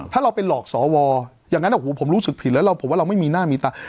ถ้าเกิดพี่น้องเค้าบอตให้ท่านอยก